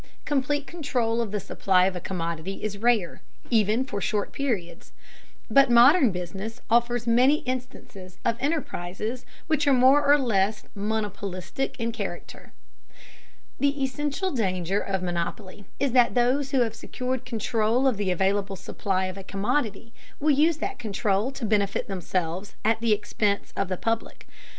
Complete control of the supply of a commodity is rare, even for short periods, but modern business offers many instances of enterprises which are more or less monopolistic in character. The essential danger of monopoly is that those who have secured control of the available supply of a commodity will use that control to benefit themselves at the expense of the public.